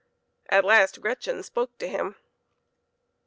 At last Gretchen spoke to him.